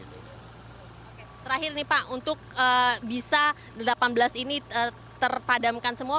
terakhir nih pak untuk bisa delapan belas ini terpadamkan semua